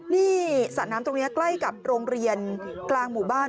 นี่สระน้ำตรงนี้ใกล้กับโรงเรียนกลางหมู่บ้าน